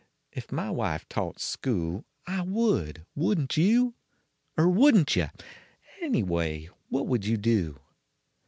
If my wife taught school, I would, wouldn t you ? Er wouldn t yuh ? Anyway what would vou do